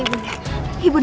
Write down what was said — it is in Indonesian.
ibu jangan khawatir